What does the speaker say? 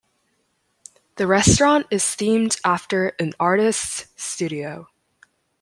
The restaurant is themed after an artist's studio.